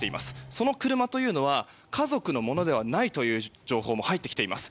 その車というのは家族のものではないという情報も入ってきています。